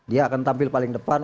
dia akan tampil paling depan